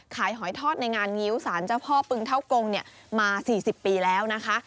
หอยทอดในงานงิ้วสารเจ้าพ่อปึงเท่ากงมา๔๐ปีแล้วนะคะ